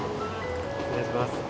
お願いします。